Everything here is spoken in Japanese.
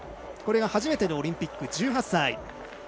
これが初めてのオリンピック１８歳。